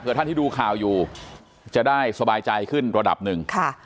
เพื่อท่านที่ดูข่าวอยู่จะได้สบายใจขึ้นระดับหนึ่ง